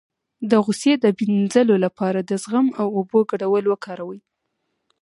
د غوسې د مینځلو لپاره د زغم او اوبو ګډول وکاروئ